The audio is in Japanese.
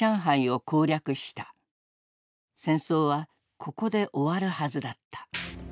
戦争はここで終わるはずだった。